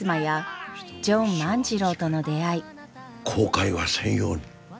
後悔はせんように。